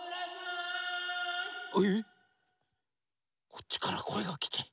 こっちからこえがきてる。